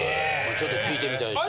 ちょっと聞いてみたいですね。